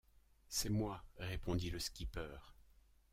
C’est moi, répondit le skipper.